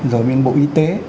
rồi miền bộ y tế